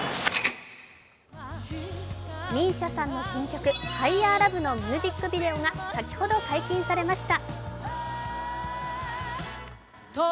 ＭＩＳＩＡさんの新曲、「ＨｉｇｈｅｒＬｏｖｅ」のミュージックビデオが先ほど解禁されました。